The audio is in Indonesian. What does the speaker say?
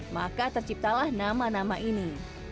maka terciptalah nama nama ini